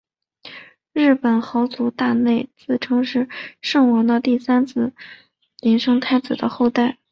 日本豪族大内氏自称是圣王的第三子琳圣太子的后代。